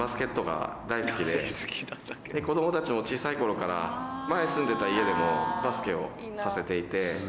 子ども達も小さい頃から前住んでいた家でもバスケをさせていて。